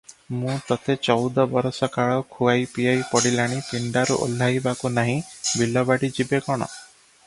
"ମୁଁ ତୋତେ ଚଉଦ ବରଷ କାଳ ଖୁଆଇ ପିଆଇ ପଡ଼ିଲାଣି, ପିଣ୍ଡାରୁ ଓହ୍ଲାଇବାକୁ ନାହିଁ, ବିଲବାଡ଼ି ଯିବେ କଣ?